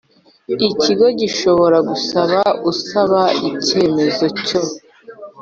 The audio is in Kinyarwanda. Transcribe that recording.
Ikigo gishobora gusaba usaba icyemezo cyo